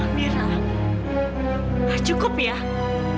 kalau ibu kandung aku aku akan jelasin